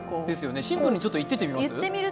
シンプルに言ってってみます？